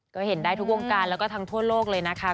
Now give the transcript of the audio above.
ก็เห็นได้ทุกวงการแล้วก็ทั้งทั่วโลกเลยนะคะ